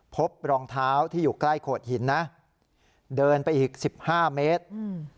พบรองเท้าที่อยู่ใกล้โขดหินนะเดินไปอีกสิบห้าเมตรอืม